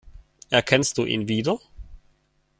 Erkennst du ihn wieder?